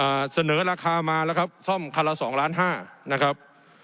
เสนอราคามาแล้วครับซ่อมคันละสองล้านห้านะครับ